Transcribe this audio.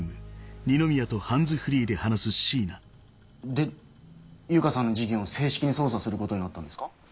で悠香さんの事件を正式に捜査することになったんですか？